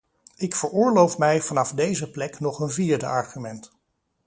Ik veroorloof mij vanaf deze plek nog een vierde argument.